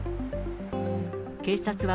警察は、